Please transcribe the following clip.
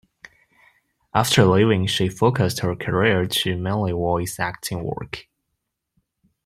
After leaving, she focused her career to mainly voice acting work.